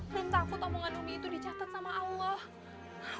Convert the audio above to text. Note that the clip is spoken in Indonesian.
belum takut omongan umi itu dicatat sama allah